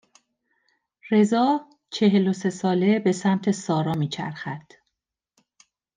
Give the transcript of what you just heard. رضا چهلوسه ساله به سمت سارا میچرخد